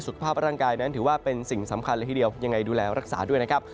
ภาพร่างกายนั้นถือว่าเป็นสิ่งสำคัญเลยทีเดียวยังไงดูแลรักษาด้วยนะครับ